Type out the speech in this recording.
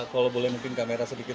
kalau boleh mungkin kamera sedikit